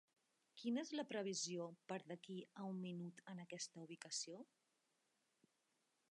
Quina és la previsió per d'aquí a un minut en aquesta ubicació